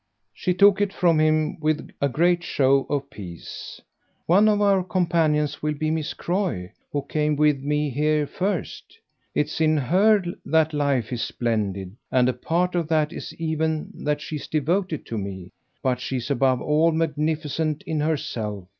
She took it from him with a great show of peace. "One of our companions will be Miss Croy, who came with me here first. It's in HER that life is splendid; and a part of that is even that she's devoted to me. But she's above all magnificent in herself.